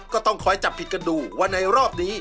ก็ต้องคอยจับผิดกันดูว่าในรอบนี้